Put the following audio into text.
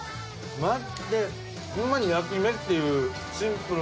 マジでほんまに焼き飯っていうシンプルな。